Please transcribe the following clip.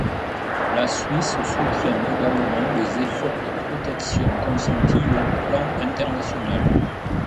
La Suisse soutient également les efforts de protection consentis au plan international.